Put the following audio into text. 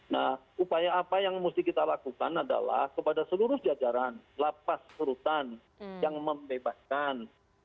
nah upaya apa yang mesti kita lakukan adalah kepada seluruh jajaran lapas rutan yang membebaskan